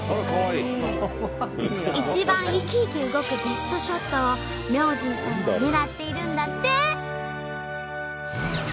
一番生き生き動くベストショットを明神さんは狙っているんだって。